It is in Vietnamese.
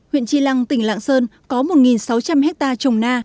huyện trí lăng tỉnh lạng sơn có một sáu trăm linh ha trồng na